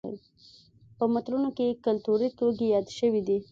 په متلونو کې کولتوري توکي یاد شوي دي